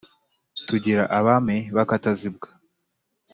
tugira abami b’akatazibwa